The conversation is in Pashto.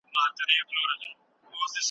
د کلي د خلکو ترمنځ به تل بحثونه وو.